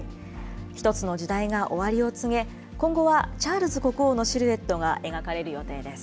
１つの時代が終わりを告げ、今後はチャールズ国王のシルエットが描かれる予定です。